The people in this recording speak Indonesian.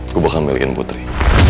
aku akan memilih putri